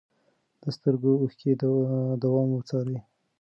د سترګو اوښکې دوام وڅارئ.